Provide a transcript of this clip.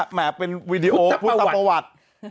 ชาวบ้านฟิอโมนวีดีโอครุฑตรัปวัตร